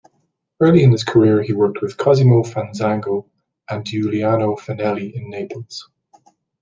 Early in his career he worked with Cosimo Fanzago and Giuliano Finelli in Naples.